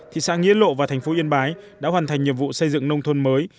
thị xã nghĩa lộ và thành phố yên bái đã hoàn thành nhiệm vụ xây dựng nông thôn mới